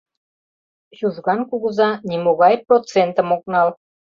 Чужган кугыза нимогай процентым ок нал.